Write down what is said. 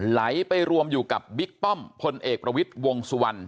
ไหลไปรวมอยู่กับบิ๊กป้อมพลเอกประวิทย์วงสุวรรณ